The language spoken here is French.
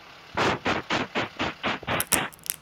Du coup, on a embrayé sur mon solo.